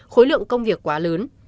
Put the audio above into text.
khối lượng công việc quá lớn